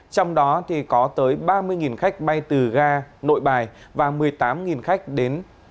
trong đó có tới ba mươi khách bay từ ga nội bài và một mươi tám khách đến